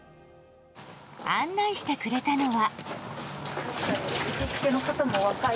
案内してくれたのは。